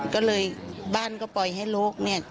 ก็เลยบ้านก็ปล่อยให้ลูก